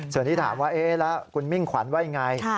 ส่วนที่ถามว่าเอ๊ะแล้วคุณมิ่งขวัญไว้อย่างไร